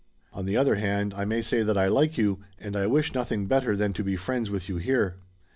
On the other hand I may say that I like you and I wish nothing better than to be friends with you here."